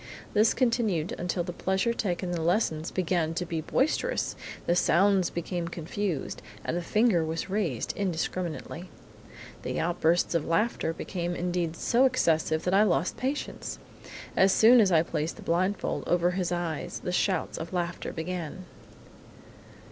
This continued until the pleasure taken in the lessons began to be boisterous, the sounds became confused, and the finger was raised indiscriminately. The outbursts of laughter became indeed so excessive that I lost patience! As soon as I placed the blindfold over his eyes the shouts of laughter began."